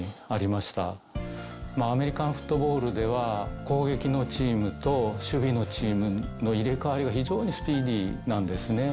まあアメリカンフットボールでは攻撃のチームと守備のチームの入れ代わりが非常にスピーディーなんですね。